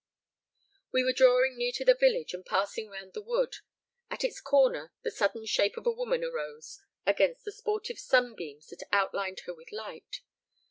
We were drawing near to the village and passing round the wood. At its corner, the sudden shape of a woman arose against the sportive sunbeams that outlined her with light.